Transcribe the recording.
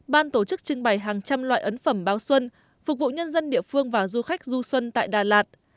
ban tổ chức trưng bày hàng trăm loại ấn phẩm báo xuân phục vụ nhân dân địa phương và du khách du xuân tại đà lạt